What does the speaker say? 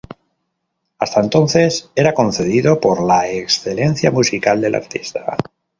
Hasta entonces era concedido por la excelencia musical del artista.